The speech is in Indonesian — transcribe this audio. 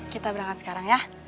kita berangkat sekarang ya